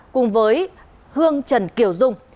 cùng với hương trần kiều dung